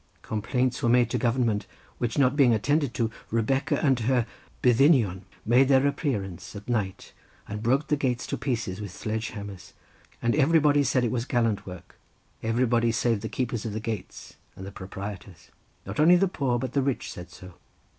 Complaints were made to government, which not being attended to, Rebecca and her byddinion made their appearance at night, and broke the gates to pieces with sledge hammers, and everybody said it was gallant work, everybody save the keepers of the gates and the proprietors. Not only the poor, but the rich said so.